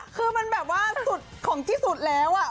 คือมันแบบว่าสุดของที่สุดแล้ว